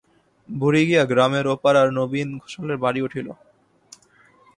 বুড়ি গিয়া গ্রামের ও-পাড়ার নবীন ঘোষালের বাড়ি উঠিল।